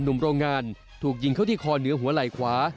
หนุ่มโรงงานถูกยิงเข้าที่คอเหนือหัวไหล่ขวา